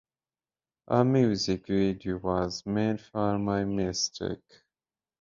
A music video was made for My Mistake.